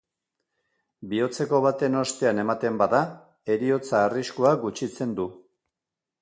Bihotzeko baten ostean ematen bada, heriotza arriskua gutxitzen du.